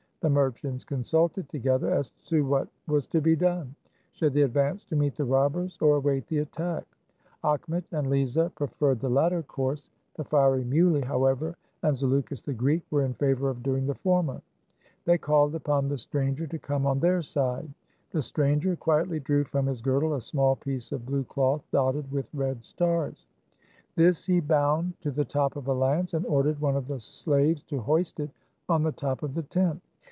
The merchants consulted together as to what was to be done ; should they advance to meet the robbers, or await the attack ? Achinet and Lezah preferred the latter course : the fiery Muley, however, and Zaleukos, the Greek, were in favor of doing the former. They called upon the stranger to come on their side. The stranger quietly drew from his girdle a small piece of blue cloth dotted with red stars. This he bound to the top of a lance, and ordered one of the slaves to hoist it on the top of the tent.